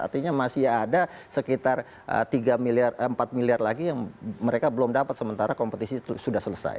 artinya masih ada sekitar empat miliar lagi yang mereka belum dapat sementara kompetisi sudah selesai